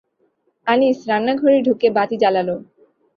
আনিস রান্নাঘরে ঢুকে বাতি জ্বালাল।